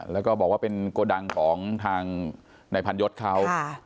แล้วก็บอกว่าเป็นโกดังของทางนายพันยศเขา